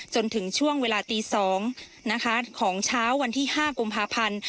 จนถึงช่วงเวลาตี๒นะคะของเช้าวันที่๕กุมภาพันธ์